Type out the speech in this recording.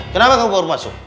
kenapa kamu baru masuk